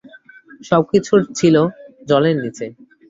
সবকিছুই ছিল জলের নীচে।